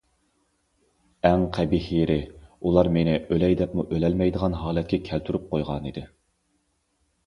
ئەڭ قەبىھ يېرى ئۇلار مېنى ئۆلەي دەپمۇ ئۆلەلمەيدىغان ھالەتكە كەلتۈرۈپ قويغانىدى.